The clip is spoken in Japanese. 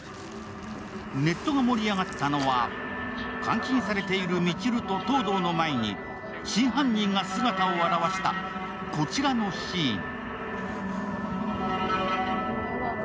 ネットが盛り上がったのは監禁れている未知留と東堂の前に真犯人が姿を現した、こちらのシーン。